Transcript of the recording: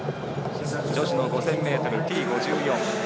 女子の５０００ｍＴ５４。